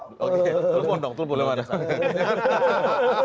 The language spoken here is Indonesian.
oke lo mau dong lo boleh